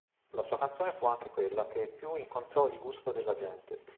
La sua canzone fu anche quella che più incontrò il gusto della gente.